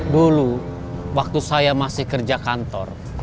dulu waktu saya masih kerja kantor